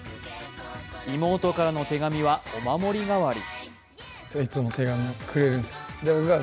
妹からの手紙はお守り代わり。